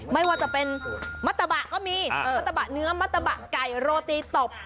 ไม่ว่าจะเป็นมัตตะบะก็มีมัตตะบะเนื้อมัตตะบะไก่โรตีตบ